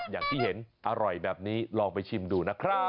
อย่างที่เห็นอร่อยแบบนี้ลองไปชิมดูนะครับ